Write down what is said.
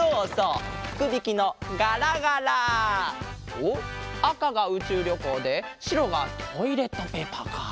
おっあかがうちゅうりょこうでしろがトイレットペーパーか。